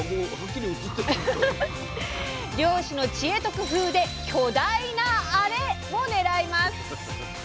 漁師の知恵と工夫で巨大な「アレ」を狙います！